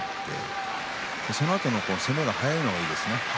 そのあとの攻めが早いのがいいですね。